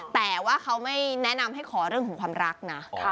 แต่ว่าเขาไม่แนะนำให้ขอเรื่องของความรักนะ